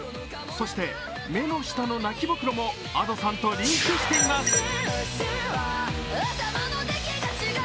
そして、目の下の泣きぼくろもＡｄｏさんとリンクしています。